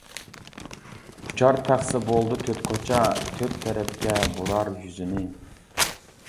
ئۇچار تەخسە بولدى تۆت كوچا، تۆت تەرەپكە بۇرار يۈزىنى.